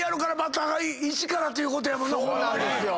そうなんですよ。